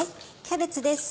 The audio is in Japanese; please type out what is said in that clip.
キャベツです。